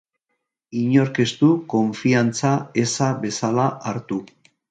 Inork ez du konfiantza eza bezala hartu.